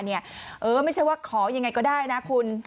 ไม่ใช่ว่าขอยังไงก็ได้นะคุณ